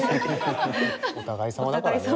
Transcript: お互いさまだからね。